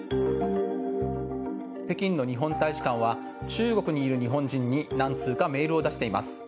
北京の日本大使館は中国にいる日本人に何通かメールを出しています。